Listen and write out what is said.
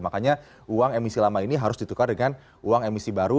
makanya uang emisi lama ini harus ditukar dengan uang emisi baru